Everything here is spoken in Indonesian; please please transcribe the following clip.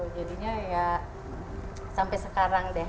jadinya ya sampai sekarang deh